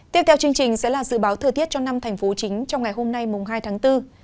tiếp theo chương trình sẽ là dự báo thời tiết cho năm thành phố chính trong ngày hôm nay hai tháng bốn